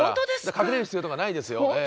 隠れる必要とかないですよええ。